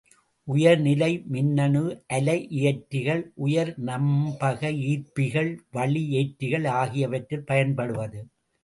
உயர் நிலைப்பு மின்னணு அலை இயற்றிகள், உயர் நம்பக ஈர்ப்பிகள், வளி ஏற்றிகள் ஆகியவற்றில் பயன்படுவது.